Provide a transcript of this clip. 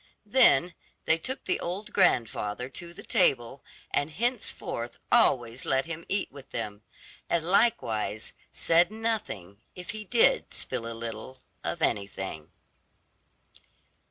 Then they took the old grandfather to the table, and henceforth always let him eat with them, and likewise said nothing if he did spill a little of anything.